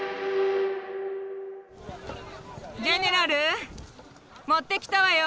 ジェネラル持ってきたわよ！